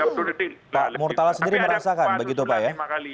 pak murtala sendiri merasakan begitu pak ya